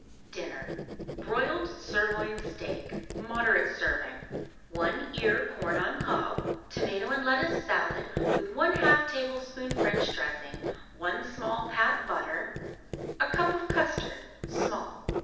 DINNER Broiled sirloin steak, moderate serving; 1 ear corn on cob; tomato and lettuce salad, with 1/2 tablespoon French dressing; 1 small pat butter; cup custard (small).